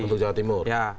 untuk jawa timur